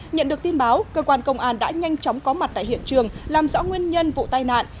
nhận được tin báo cơ quan công an đã nhanh chóng có mặt tại hiện trường làm rõ nguyên nhân vụ tai nạn